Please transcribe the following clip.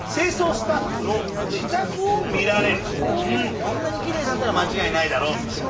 こんなにきれいだったら間違いないだろうみたいな。